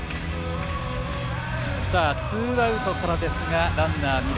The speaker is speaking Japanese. ツーアウトからですがランナー、二塁。